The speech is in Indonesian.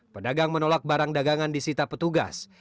pedagang menolak barang dagangan di sita petugas